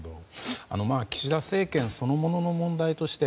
岸田政権そのものの問題として